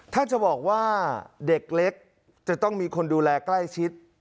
ถ้าจะบอกว่าเด็กเล็กจะต้องมีคนดูแลใกล้ชิด